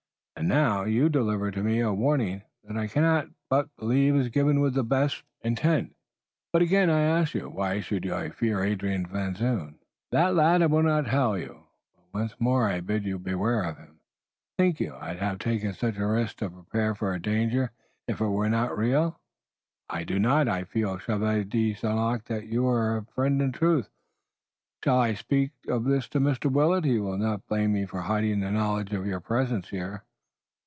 And now you deliver to me a warning that I cannot but believe is given with the best intent. But again I ask you, why should I fear Adrian Van Zoon?" "That, lad, I will not tell you, but once more I bid you beware of him. Think you, I'd have taken such a risk to prepare you for a danger, if it were not real?" "I do not. I feel, Chevalier de St. Luc, that you are a friend in truth. Shall I speak of this to Mr. Willet? He will not blame me for hiding the knowledge of your presence here."